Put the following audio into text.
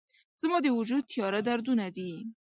زما د وجود تیاره دردونه دي